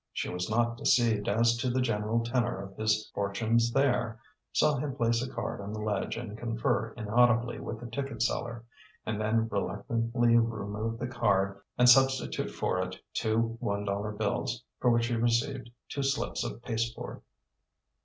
She was not deceived as to the general tenor of his fortunes there saw him place a card on the ledge and confer inaudibly with the ticket seller, and then reluctantly remove the card and substitute for it two one dollar bills, for which he received two slips of pasteboard.